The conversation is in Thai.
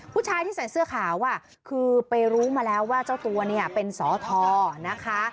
ผู้ชายที่ใส่เสื้อขาวคือไปรู้มาแล้วว่าเจ้าตัวเนี่ยเป็นสอทอนะคะ